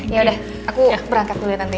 yaudah aku berangkat dulu ya tante ya